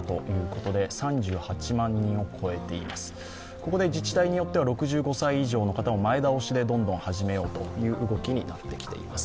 ここで自治体によっては６５歳以上の方も前倒しでどんどん始めようという動きになってきています。